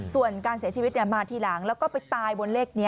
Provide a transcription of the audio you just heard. ส่วนการเสียชีวิตมาทีหลังแล้วก็ไปตายบนเลขนี้